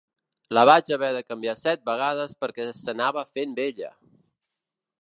La vaig haver de canviar set vegades perquè s’anava fent vella!